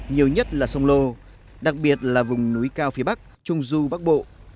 nhiều nhất là sông lô đặc biệt là vùng núi cao phía bắc trung du bắc bộ